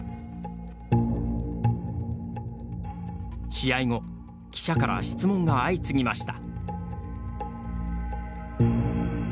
試合後記者から質問が相次ぎました。